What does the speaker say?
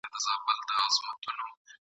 مېنه خالي سي له انسانانو ..